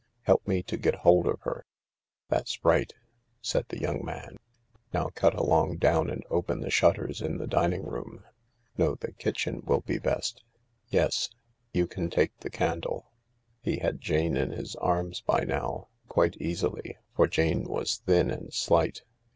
" Help me to get hold of her— that's right," said the 60 THE LARK young man. " Now cut along down and open the shutters in the dining room. No, the kitchen will be best. Yes— you can take the candle." He had Jane in his arms by now— quite easily, for Jane was thin and slight.